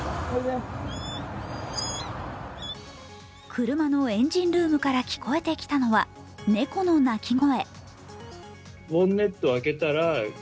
車のエンジンルームから聞こえてきたのは、猫の鳴き声。